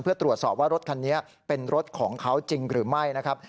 เพื่อตรวจสอบว่ารถคันนี้เป็นรถของเขาจริงหรือไม่นะครับ